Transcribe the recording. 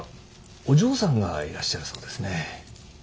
お嬢さんがいらっしゃるそうですね。